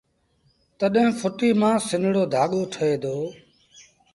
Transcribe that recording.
تڏهيݩ ڦئٽيٚ مآݩ سنڙو ڌآڳو ٺهي دو